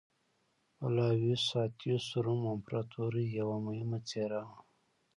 فلاویوس اتیوس روم امپراتورۍ یوه مهمه څېره وه